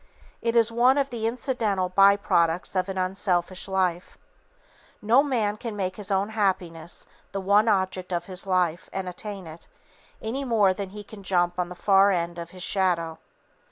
It is one of the incidental by products of an unselfish life. No man can make his own happiness the one object of his life and attain it, any more than he can jump on the far end of his shadow.